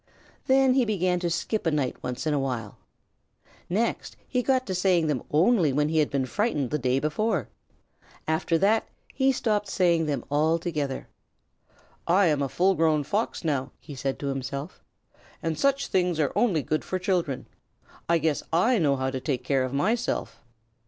Then he began to skip a night once in a while. Next he got to saying them only when he had been frightened the day before. After that he stopped saying them altogether. "I am a full grown Fox now," he said to himself, "and such things are only good for children. I guess I know how to take care of myself."